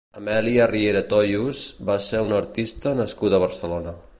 Amèlia Riera Toyos va ser una artista nascuda a Barcelona.